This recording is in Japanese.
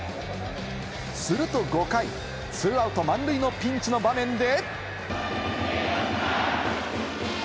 すると５回、ツーアウト満塁のピンチの場面で。